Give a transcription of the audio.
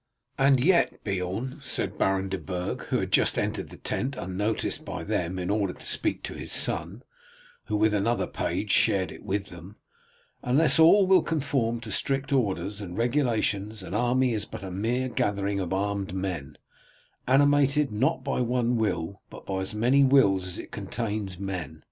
"And yet, Beorn," said Baron De Burg, who had just entered the tent unnoticed by them in order to speak to his son, who with another page shared it with them, "unless all will conform to strict orders and regulations an army is but a mere gathering of armed men, animated not by one will, but by as many wills as it contains men.